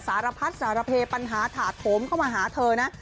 สารพัดสารเพปัญหาถาโถมเข้ามาหาเธอนะ